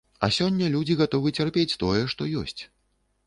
А сёння людзі гатовы цярпець тое, што ёсць.